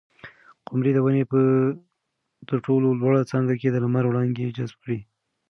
قمرۍ د ونې په تر ټولو لوړه څانګه کې د لمر وړانګې جذب کړې.